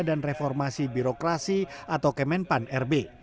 dan reformasi birokrasi atau kemenpan rb